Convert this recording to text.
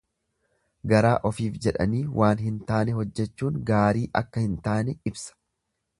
Garaa ofiif jedhanii waan hin taane hojjechuun gaarii akka hin taane ibsa.